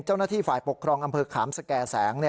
เจ้าหน้าที่ฝ่ายปกครองอำเภอขามสแก่แสง